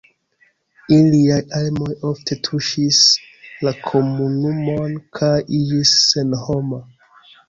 Iliaj armeoj ofte tuŝis la komunumon kaj iĝis senhoma.